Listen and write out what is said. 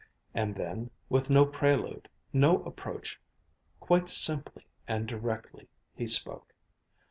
And then, with no prelude, no approach, quite simply and directly, he spoke.